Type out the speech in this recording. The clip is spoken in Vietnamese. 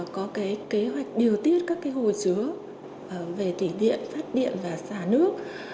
có cái kế hoạch điều tiết các cái hồ chứa về tỉ điện phát điện và xả nước